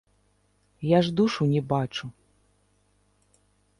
Я ж душу не бачу.